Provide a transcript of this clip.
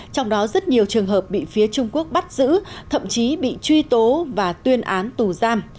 trong đó rất nhiều trường hợp bị phía trung quốc bắt giữ thậm chí bị truy tố và tuyên án tù giam